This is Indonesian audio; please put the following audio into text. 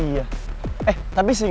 kalau gak embarrassment kan